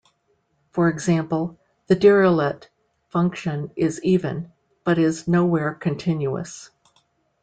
For example, the Dirichlet function is even, but is nowhere continuous.